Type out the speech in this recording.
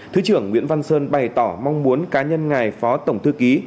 thứ trưởng nguyễn văn sơn bày tỏ mong muốn cá nhân ngài phó tổng thư ký